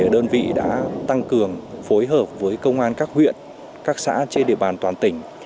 đơn vị đã tăng cường phối hợp với công an các huyện các xã trên địa bàn toàn tỉnh